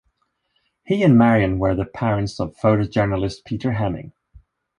He and Marion were the parents of photojournalist Peter Hemming.